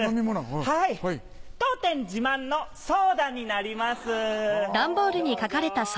当店自慢のソーダになりますどうぞ。